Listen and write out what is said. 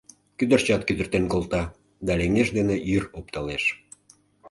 Кӱдырчат кӱдыртен колта, да леҥеж дене йӱр опталеш...